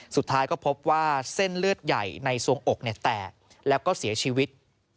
สุดท้ายก็พบว่าเส้นเลือดใหญ่ในสวงอกแตกแล้วก็เสียชีวิต